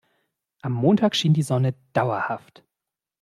Am Montag schien die Sonne dauerhaft.